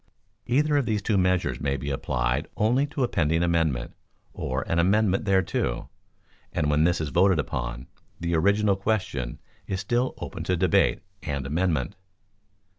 Either of these two measures may be applied only to a pending amendment, or an amendment thereto, and when this is voted upon, the original question is still open to debate and amendment.